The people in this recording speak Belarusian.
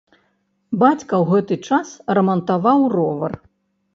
Бацька ў гэты час рамантаваў ровар.